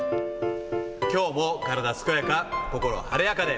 きょうも体健やか、心晴れやかで。